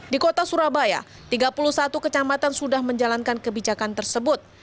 di kota surabaya tiga puluh satu kecamatan sudah menjalankan kebijakan tersebut